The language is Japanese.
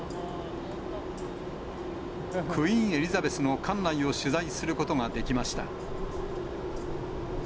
クイーン・エリザベスの艦内を取材することができました。